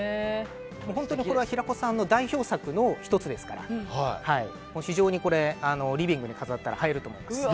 本当にこれは平子さんの代表作の１つですから非常にリビングに飾ったら映えると思います。